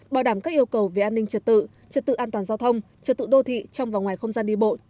bảo đảm các yêu cầu về an ninh trật tự trật tự an toàn giao thông trật tự đô thị trong và ngoài không gian đi bộ